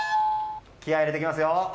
気合入れていきますよ。